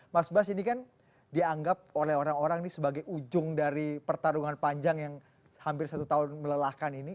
mas bas ini kan dianggap oleh orang orang ini sebagai ujung dari pertarungan panjang yang hampir satu tahun melelahkan ini